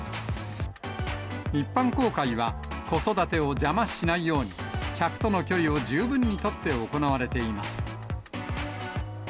一般公開は子育てを邪魔しないように、客との距離を十分に取って行われています。